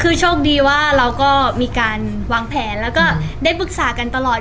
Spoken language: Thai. คือโชคดีว่าเราก็มีการวางแผนแล้วก็ได้ปรึกษากันตลอด